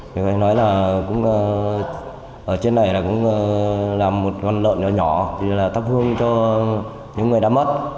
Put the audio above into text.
tết là ở trên này là cũng là một con lợn nhỏ nhỏ thì là tác phương cho những người đã mất